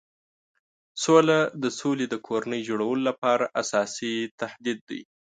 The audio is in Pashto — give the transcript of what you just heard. سوله د سولې د کورنۍ جوړولو لپاره اساسي تهدید دی.